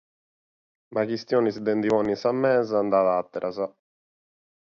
Ma chistiones de nche pònnere in sa mesa bi nd'at àteras.